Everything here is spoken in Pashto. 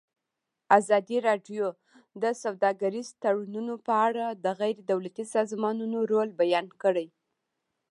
ازادي راډیو د سوداګریز تړونونه په اړه د غیر دولتي سازمانونو رول بیان کړی.